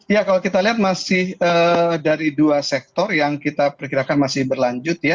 ya kalau kita lihat masih dari dua sektor yang kita perkirakan masih berlanjut ya